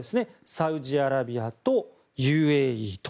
サウジアラビアとＵＡＥと。